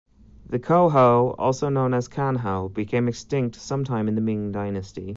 The "konghou", also known as "kanhou", became extinct sometime in the Ming Dynasty.